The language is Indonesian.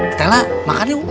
stella makan yuk